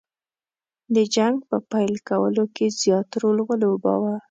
د جنګ په پیل کولو کې زیات رول ولوباوه.